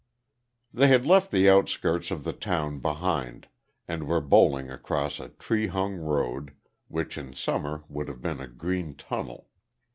They had left the outskirts of the town behind, and were bowling along a tree hung road, which in summer would have been a green tunnel.